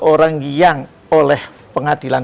orang yang oleh pengadilan